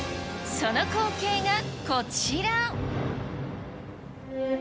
その光景がこちら。